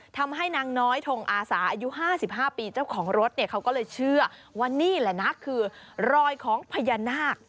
ทำให้นางน้อยทงอาสาอายุ๕๕ปีเจ้าของรถเนี่ยเขาก็เลยเชื่อว่านี่แหละนะคือรอยของพญานาค